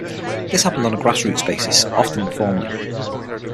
This happened on a grassroots basis, often informally.